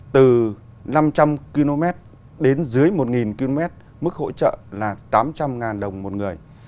từ năm trăm linh km đến dưới một km mức hỗ trợ là tám trăm linh đồng một người